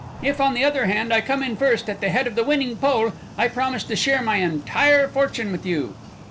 If, on the other hand, I come in first at the head of the winning pole I promise to share my entire fortune with you!"